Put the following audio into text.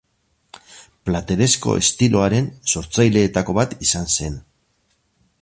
Plateresko estiloaren sortzaileetako bat izan zen.